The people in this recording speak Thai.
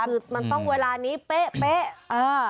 คือมันต้องเวลานี้เป๊ะ